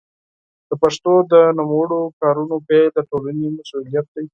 د پښتو د نوموړو کارونو پيل د ټولنې مسوولیت دی.